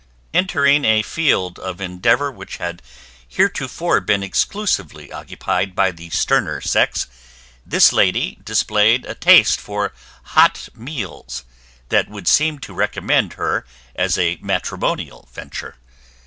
Entering a field of endeavor which had heretofore been exclusively occupied by the sterner sex, this lady displayed a taste for hot meals that would seem to recommend her as a matrimonial venture.